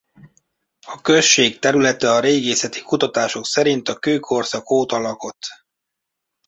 A község területe a régészeti kutatások szerint a kőkorszak óta lakott.